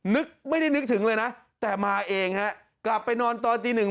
นึกไม่ได้นึกถึงเลยนะแต่มาเองฮะกลับไปนอนตอนตีหนึ่ง